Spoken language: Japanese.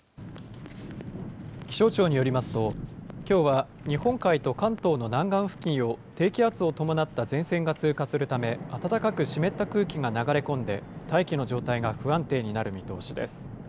気象庁によりますと、きょうは日本海と関東の南岸付近を低気圧を伴った前線が通過するため、暖かく湿った空気が流れ込んで、大気の状態が不安定になる見通しです。